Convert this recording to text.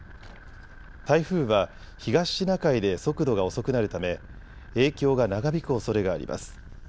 台風は東シナ海で速度が遅くなるため影響が長引くおそれがあります。